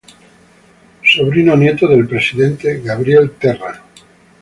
Sobrino nieto del presidente Gabriel Terra.